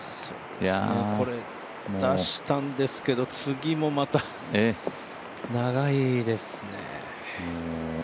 出したんですけど次もまた長いですね。